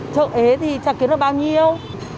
chợ ế thì chắc kiếm nó bao nhiêu